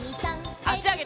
あしあげて。